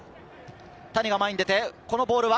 谷が前に出て、このボールは。